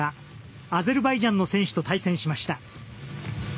アゼルバイジャンの選手と対戦しました。